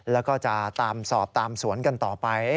แล้วก็จะตามสอบตามสวนกันต่อไป